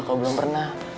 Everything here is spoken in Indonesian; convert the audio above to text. kalau belum pernah